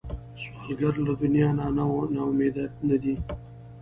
سوالګر له دنیا نه نا امیده نه دی